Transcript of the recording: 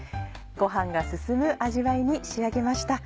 ご飯が進む味わいに仕上げました。